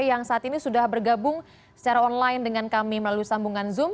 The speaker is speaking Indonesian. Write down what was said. yang saat ini sudah bergabung secara online dengan kami melalui sambungan zoom